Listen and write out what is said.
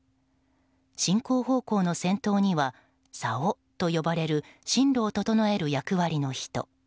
進行方向の先頭には棹と呼ばれる進路を整える役割の人。